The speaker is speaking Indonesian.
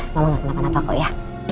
mama gak kenapa kenapa kok ya